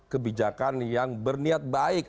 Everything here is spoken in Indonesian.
kebijakan yang berniat baik